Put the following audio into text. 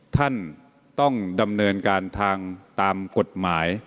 ท่านต้องดำเนินการทางตามกฎหมาย